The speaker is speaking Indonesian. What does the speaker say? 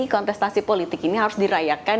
kontestasi politik ini harus dirayakan